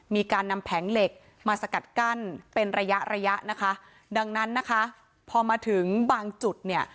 มีการนำแผงเหล็กมาสกัดกั้นเป็นระยะระยะนะคะดังนั้นนะคะพอมาถึงบางจุดเนี่ย